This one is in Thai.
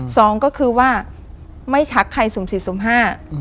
สองก็คือว่าไม่ชักใครสุ่มสี่สุ่มห้า